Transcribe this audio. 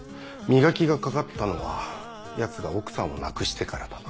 磨きがかかったのはヤツが奥さんを亡くしてからだな。